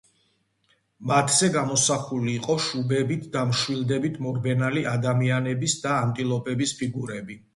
მათზე გამოსახული იყო შუბებით და მშვილდებით მორბენალი ადამიანების და ანტილოპების ფიგურები.